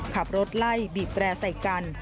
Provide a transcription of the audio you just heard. ขับรถไล่บีบแตร่ใส่กัน